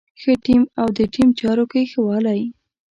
ښه ټيم او د ټيم چارو کې ښه والی.